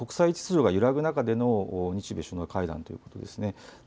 まさに国際秩序が揺らぐ中での日米首脳会談ということです。